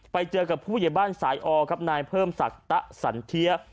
ไปเจอกับผู้ใหญ่บ้านสายอครับนายเพิ่มศักดิ์ตะสันเทีย